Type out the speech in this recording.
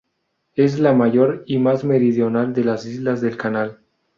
Es la mayor y más meridional de las islas del Canal.